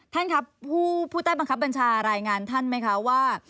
ท่านครับผู้ต้านบังชารายงานท่านไหมครับว่า